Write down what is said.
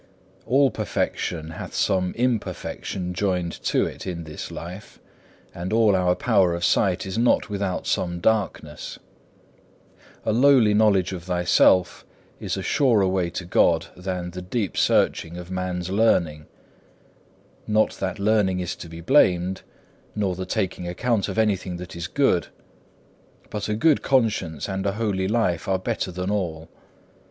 4. All perfection hath some imperfection joined to it in this life, and all our power of sight is not without some darkness. A lowly knowledge of thyself is a surer way to God than the deep searching of man's learning. Not that learning is to be blamed, nor the taking account of anything that is good; but a good conscience and a holy life is better than all.